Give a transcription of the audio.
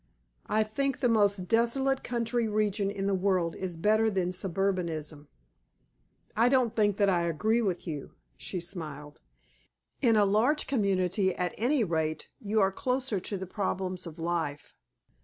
I think the most desolate country region in the world is better than suburbanism." "I don't think that I agree with you," she smiled. "In a large community at any rate you are closer to the problems of life.